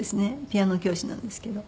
ピアノ教師なんですけど。